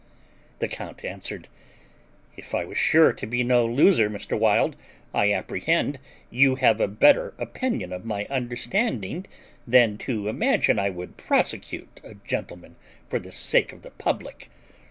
The count answered, "If I was sure to be no loser, Mr. Wild, I apprehend you have a better opinion of my understanding than to imagine I would prosecute a gentleman for the sake of the public.